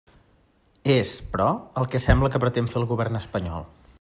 És, però, el que sembla que pretén fer el govern espanyol.